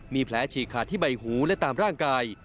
มีแผลฉีกขาดที่ใบหูและตามร่างกาย